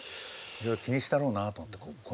気にしたろうなぁと思って。